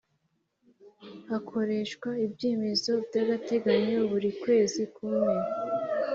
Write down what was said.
hakoreshwa ibyemezo by’agateganyo buri kwezi kumwe